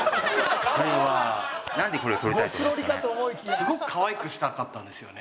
すごく可愛くしたかったんですよね。